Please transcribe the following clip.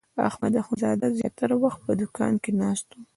احمد اخوندزاده زیاتره وخت په دوکان کې ناست و.